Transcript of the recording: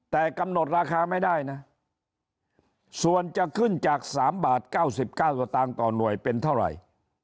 แต่กำหนดราคาไม่ได้นะส่วนจะขึ้นจากสามบาทเก้าสิบเก้าต่างต่อหน่วยเป็นเท่าไหร่